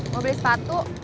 mau beli sepatu